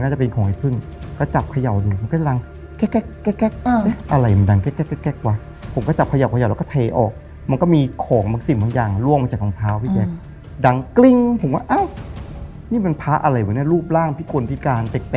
น่าจะเป็นของไอ้พึ่งก็จับเขย่าดูมันก็จะดังแก๊กแก๊กอะไรมันดังแก๊กแก๊กวะ